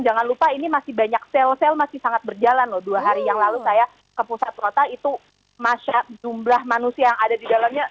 jangan lupa ini masih banyak sel sel masih sangat berjalan loh dua hari yang lalu saya ke pusat kota itu masyarakat jumlah manusia yang ada di dalamnya